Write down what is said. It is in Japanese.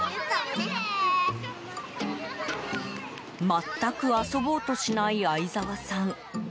全く遊ぼうとしない相澤さん。